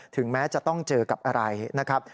แม้จะต้องเจอกับอะไรนะครับ